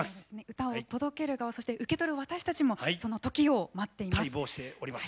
歌を届ける側そして受け取る私たちもそのときを待っています。